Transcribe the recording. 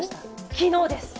昨日です。